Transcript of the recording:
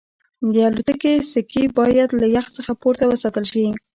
د الوتکې سکي باید له یخ څخه پورته وساتل شي